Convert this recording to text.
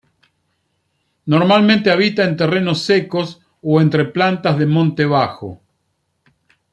Normalmente habita en terrenos secos o entre plantas del monte bajo.